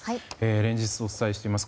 連日お伝えしています